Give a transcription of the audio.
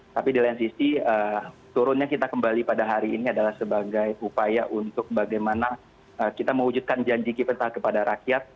tapi di lain sisi turunnya kita kembali pada hari ini adalah sebagai upaya untuk bagaimana kita mewujudkan janji kita kepada rakyat